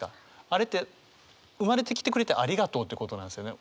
あれって生まれてきてくれてありがとうってことなんですよね。